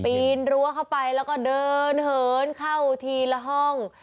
ปีนรั้วเข้าไปแล้วก็เดินเหินเข้าทีละห้อง